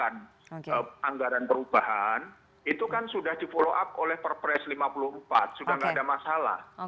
jadi kalau misalnya dianggaran perubahan itu kan sudah dipolo up oleh barpres lima puluh empat sudah nggak ada masalah